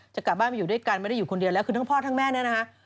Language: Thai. จะกลับบ้านมาอยู่ด้วยกันไม่ได้อยู่คนเดียวแล้วคือทั้งพ่อทั้งแม่เนี่ยนะคะ